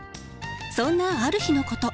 そんなある日のこと。